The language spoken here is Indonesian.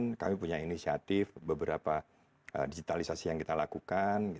kami punya inisiatif beberapa digitalisasi yang kita lakukan